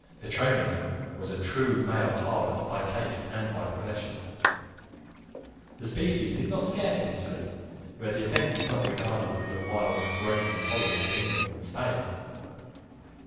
Petronio was a true male harlot by taste and by profession. The species is not scare in Italy, where the offence is not regarded with the wild and ferocious intolerance of England and Spain.